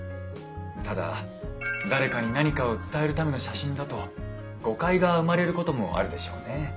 ただ誰かに何かを伝えるための写真だと誤解が生まれることもあるでしょうね。